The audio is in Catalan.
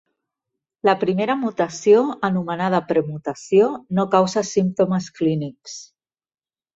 La primera mutació, anomenada "premutació", no causa símptomes clínics.